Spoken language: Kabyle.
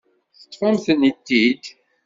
Teṭṭef-am-tent-id.